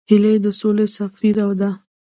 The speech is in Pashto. هیلۍ د سولې سفیره ده